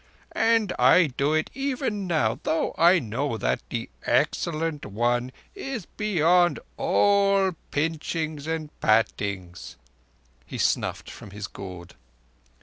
And I do it even now, though I know that the Excellent One is beyond all pinchings and pattings." He snuffed from his gourd.